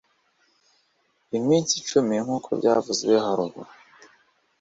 iminsi cumi nk uko byavuzwe haruguru